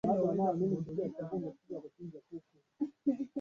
anaishi kwa sababu ya shamba Msanii Nikki wa pili amekuwa akizungumza mara kwa